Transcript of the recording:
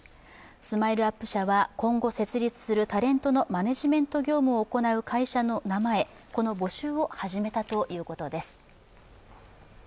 ＳＭＩＬＥ−ＵＰ．社は今後設立するタレントのマネジメント業務を行う会社の名前の募集を始めたということです。